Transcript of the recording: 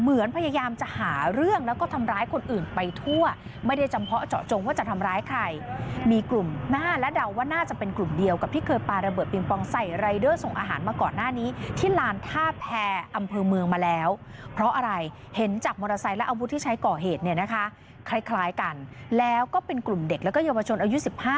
เหมือนพยายามจะหาเรื่องแล้วก็ทำร้ายคนอื่นไปทั่วไม่ได้จำเพาะเจาะจงว่าจะทำร้ายใครมีกลุ่มหน้าและเดาว่าน่าจะเป็นกลุ่มเดียวกับที่เคยปาระเบิดปิงปองใส่รายเดอร์ส่งอาหารมาก่อนหน้านี้ที่ลานท่าแพรอำเภอเมืองมาแล้วเพราะอะไรเห็นจากมอเตอร์ไซค์และอาวุธที่ใช้ก่อเหตุเนี่ยนะคะคล้ายกันแล้วก็เป็นกลุ่มเด็กแล้วก็เยาวชนอายุ๑๕